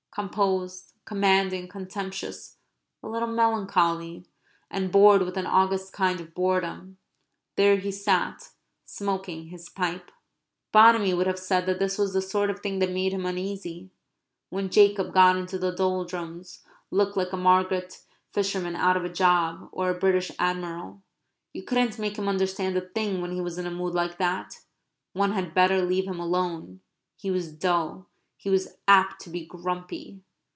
Composed, commanding, contemptuous, a little melancholy, and bored with an august kind of boredom, there he sat smoking his pipe. Bonamy would have said that this was the sort of thing that made him uneasy when Jacob got into the doldrums, looked like a Margate fisherman out of a job, or a British Admiral. You couldn't make him understand a thing when he was in a mood like that. One had better leave him alone. He was dull. He was apt to be grumpy.